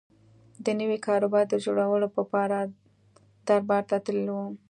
د نوي کاروبار د جوړولو په پار دربار ته تللی و.